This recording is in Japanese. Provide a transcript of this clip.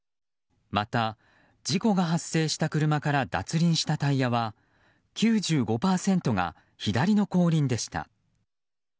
また、事故が発生した車から脱輪したタイヤは９５％が左の後輪でした。